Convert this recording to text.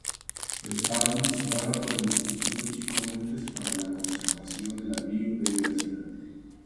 Esta administrada por el "Instituto Chico Mendes para la Conservación de la Biodiversidad".